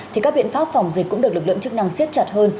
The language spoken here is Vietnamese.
thì các biện pháp phòng dịch cũng được lực lượng chức năng siết chặt hơn